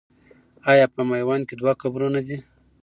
آیا په میوند کې دوه قبرونه دي؟